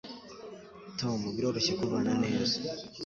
tom biroroshye kubana neza